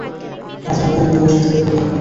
আজ রাতে আমি তোমার সাথে এখানে থাকব।